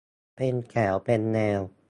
เป็นแถวเป็นแนว